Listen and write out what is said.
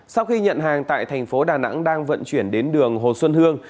sau khi nhận hàng tại tp đà nẵng đang vận chuyển đến đường hồ xuân hương